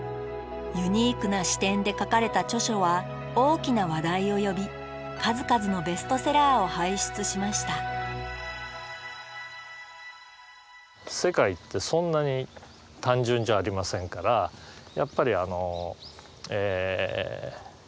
ユニークな視点で書かれた著書は大きな話題を呼び数々のベストセラーを輩出しました世界ってそんなに単純じゃありませんからやっぱりあのえ